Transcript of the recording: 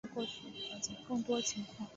好奇的过去了解更多情况